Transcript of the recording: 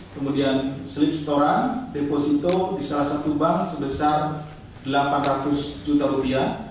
kemudian sleep store an deposito di salah satu bank sebesar rp delapan ratus